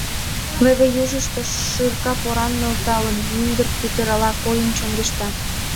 Леве южышто шырка поран нӧлталтын, мӱндырк тӱтырала койын чоҥешта.